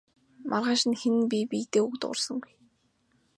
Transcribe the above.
Маргааш нь хэн нь бие биедээ үг дуугарсангүй.